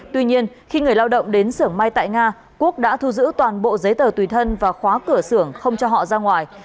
tuy nhiên quốc đã thu giữ toàn bộ giấy tờ tùy thân và khóa cửa xưởng không cho họ ra ngoài